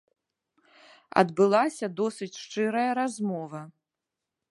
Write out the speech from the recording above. Адбылася досыць шчырая размова.